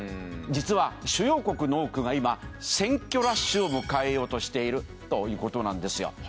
実は主要国の多くが今選挙ラッシュを迎えようとしているということなんですよ。